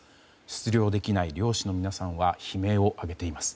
出漁できない漁師の皆さんは悲鳴を上げています。